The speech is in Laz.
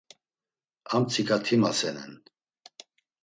Ar mtsika ti masenen.